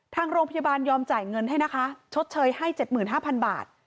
ทางโรงพยาบาลยอมจ่ายเงินให้นะคะชดเชยให้๗๕๐๐บาท